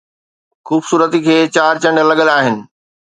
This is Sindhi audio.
خوبصورتي کي چار چنڊ لڳل آهن